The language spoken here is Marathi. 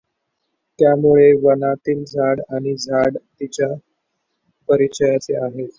त्यामुळे वनातील झाड आणि झाड तिच्या परिचयाचे आहे.